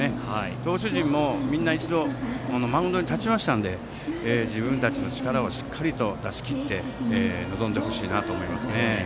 投手陣もみんな１回マウンドに立ちましたので自分たちの力をしっかり出し切って臨んでほしいなと思います。